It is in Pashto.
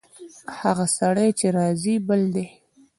هغه سړی چې راځي، بل دی.